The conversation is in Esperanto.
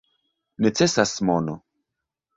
Necesas mono.